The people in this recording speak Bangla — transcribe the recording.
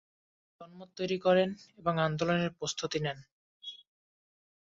তিনি জনমত তৈরি করেন ও আন্দোলনের প্রস্তুতি নেন।